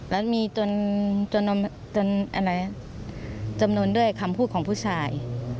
แล้วมีจนอะไรจำนวนด้วยคำพูดของผู้ชาย